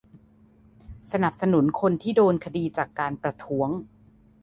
สนับสนุนคนที่โดนคดีจากการประท้วง